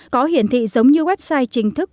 có hiển thị giống như website trình thức